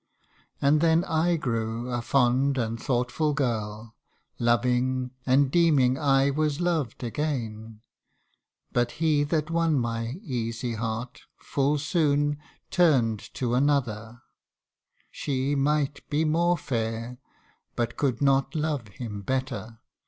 And then I grew a fond and thoughtful girl, Loving, and deeming I was lov'd again : But he that won my easy heart, full soon Turn'd to another : she might be more fair, But could not love him better.